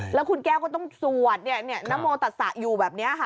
แล้วคุณแก้วก็ต้องสวดนโมตัดสะอยู่แบบนี้ค่ะ